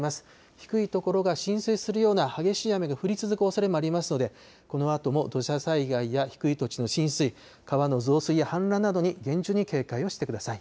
低い所が浸水するような激しい雨が降り続くおそれもありますので、このあとも土砂災害や低い土地の浸水、川の増水や氾濫などに厳重に警戒をしてください。